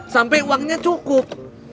sampai uangnya cukup